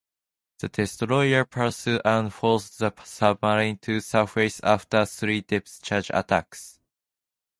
The destroyer pursued and forced the submarine to surface after three depth charge attacks.